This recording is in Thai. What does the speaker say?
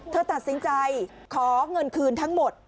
เธอตัดสินใจขอเงินคืนทั้งหมด